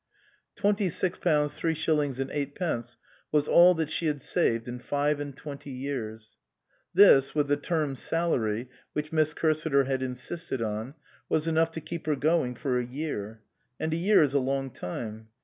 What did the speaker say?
Twenty six pounds three shillings and eight pence was all that she had saved in five and twenty years. This, with the term's salary which Miss Cursiter had insisted on, was enough to keep her going for a year. And a year is a long time.